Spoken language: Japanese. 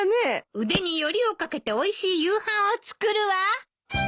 腕によりをかけておいしい夕飯を作るわ。